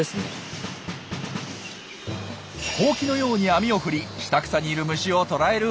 ほうきのように網を振り下草にいる虫を捕らえる方法です。